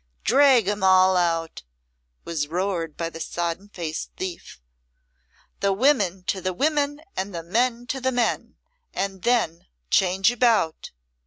"Drag 'em all out!" was roared by the sodden faced thief. "The women to the women and the men to the men, and then change about."